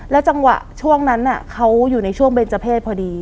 จังหวะช่วงนั้นเขาอยู่ในช่วงเบนเจอร์เพศพอดี